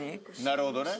なるほどね。